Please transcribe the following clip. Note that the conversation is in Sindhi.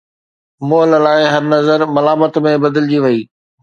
مئل لاءِ هر نظر ملامت ۾ بدلجي وئي